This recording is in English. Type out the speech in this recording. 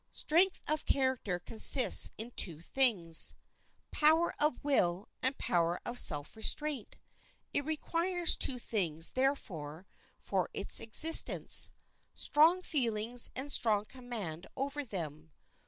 Strength of character consists in two things,—power of will and power of self restraint. It requires two things, therefore, for its existence,—strong feelings and strong command over them.